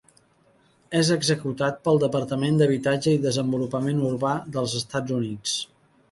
És executat pel Departament d'Habitatge i Desenvolupament Urbà dels Estats Units.